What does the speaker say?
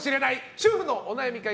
主婦のお悩み解決！